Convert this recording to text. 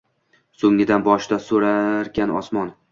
So’nggi dam boshida so’narkan osmon